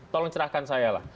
tolong cerahkan saya lah